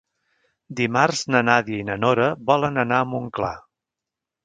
Dimarts na Nàdia i na Nora volen anar a Montclar.